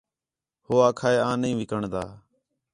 ہو آکھا ہِے آں نہیں وِکݨ دا